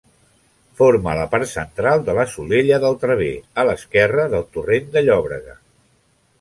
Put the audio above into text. Forma la part central de la Solella del Traver, a l'esquerra del torrent de Llòbrega.